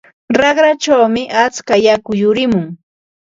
Raqrachawmi atska yaku yurimun.